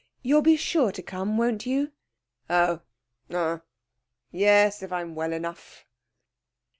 You'll be sure to come, won't you?' 'Oh, ah, yes! If I'm well enough.'